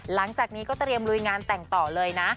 หลังจากนี้ก็เตรียมลุยงานแต่งต่อเลยนะ